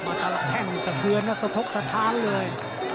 มาตรับแห้งสะเทือนและสะทบสะทานเลย